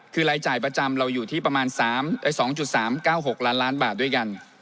คือรายจ่ายประจำเราอยู่ที่ประมาณ๒๓๙๖ล้านล้านบาทด้วยกัน